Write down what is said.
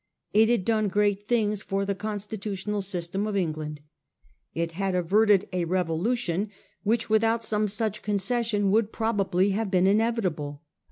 It had done great things for the constitutional system of England. It had averted a revolution which without some such concession would probably have been inevitable.